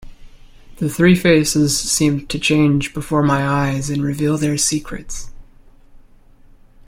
The three faces seemed to change before my eyes and reveal their secrets.